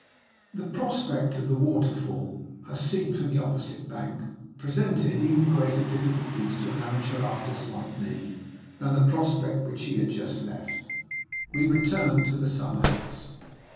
The prospect of the waterfall, as seen from the opposite bank, presented even greater difficulties, to an amateur artist like me, than the prospect which he had just left. We returned to the summer house.